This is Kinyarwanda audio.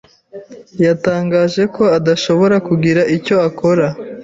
yatangaje ko adashobora kugira icyo akora